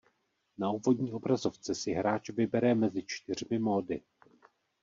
Na úvodní obrazovce si hráč vybere mezi čtyřmi módy.